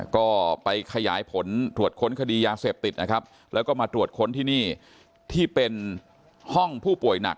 ก็ไปขยายผลตรวจค้นคดียาเสพติดนะครับแล้วก็มาตรวจค้นที่นี่ที่เป็นห้องผู้ป่วยหนัก